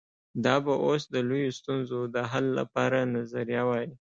دا به اوس د لویو ستونزو د حل لپاره نظریه وای.